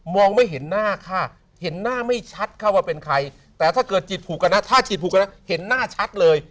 ไม่เห็นหน้าค่ะเห็นหน้าไม่ชัดค่ะว่าเป็นใครแต่ถ้าเกิดฉีดผูกกันนะถ้าฉีดผูกกันนะเห็นหน้าชัดเลย